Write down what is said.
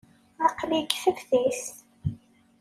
Aql-iyi deg teftist.